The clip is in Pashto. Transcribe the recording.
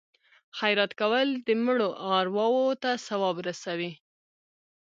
خیرات کول د مړو ارواو ته ثواب رسوي.